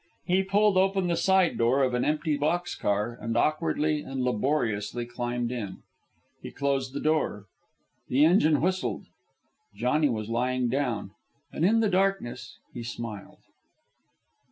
He pulled open the side door of an empty box car and awkwardly and laboriously climbed in. He closed the door. The engine whistled. Johnny was lying down, and in the darkness he smiled.